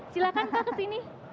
silahkan pak kesini